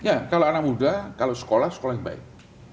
ya kalau anak muda kalau sekolah sekolah yang baik